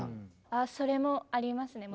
あっそれもありますね。